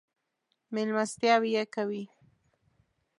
مېلمستیاوې یې کوي.